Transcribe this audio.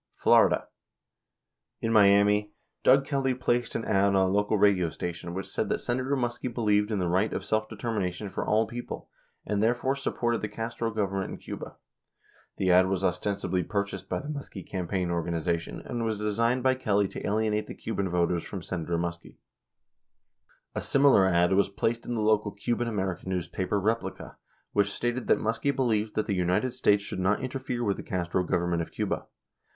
Florida: In Miami, Doug Kelly placed an ad on a local radio station which said that Senator Muskie believed in the right of self determi nation for all people, and therefore, supported the Castro govern ment in Cuba. The ad was ostensibly purchased by the Muskie campaign organization, and was designed by Kelly to alienate the Cuban voters from Senator Muskie. 9,5 A similar ad was placed in the local Cuban American newspaper Replica, which stated that Muskie believed that the United States should not interfere with the Castro government of Cuba.